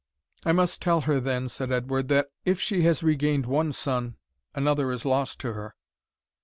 "I must tell her then," said Edward, "that if she has regained one son, another is lost to her."